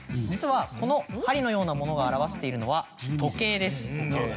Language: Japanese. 実はこの針のようなものが表しているのは時計です。